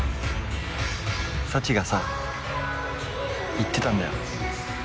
サチがさ言ってたんだよ。